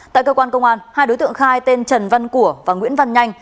tại cơ quan công an hai đối tượng khai tên trần văn của và nguyễn văn nhanh